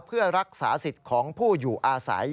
เพื่อรักษาสิทธิ์ของผู้อยู่อาศัย